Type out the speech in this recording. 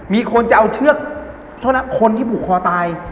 มีคนจะเอาเชือกคนที่ผูกคอตาย